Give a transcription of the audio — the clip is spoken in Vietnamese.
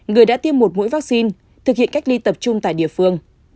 người đã tiêm một mũi vaccine thực hiện cách ly tập trung tại địa phương